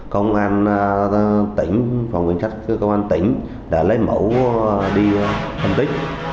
công an tỉnh phòng nguyên sách công an tỉnh đã lấy mẫu đi công tích